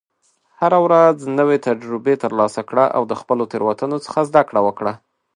هره ورځ نوې تجربې ترلاسه کړه، او د خپلو تېروتنو څخه زده کړه وکړه.